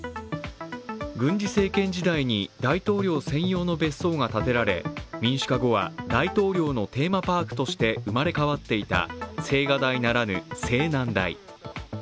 軍事政権時代に大統領専用の別荘が建てられ、民主化後は大統領のテーマパークとして生まれ変わっていた青瓦台ならぬ青南台。